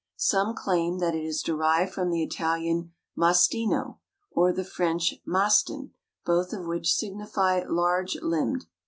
Some claim that it is derived from the Italian mastino, or the French mastin, both of which signify large limbed.